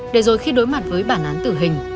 để rồi khi đối mặt với bản án tử hình